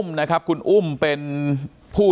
มีคุณอุ้มครับคุณอุ้มเป็นผู้